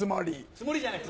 つもりじゃない。